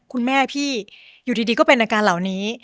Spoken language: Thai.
คุณแม่พี่อยู่ดีก็เป็นอาการเหล่านี้